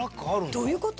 どういうこと？